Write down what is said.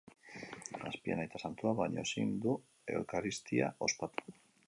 Azpian Aita Santuak baino ezin du eukaristia ospatu.